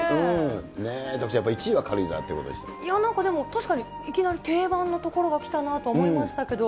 ねぇ、徳ちゃん、１位は軽井沢となんかでも、確かに、いきなり定番の所がきたなとは思いましたけど。